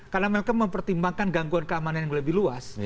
karena mereka mempertimbangkan gangguan keamanan yang lebih luas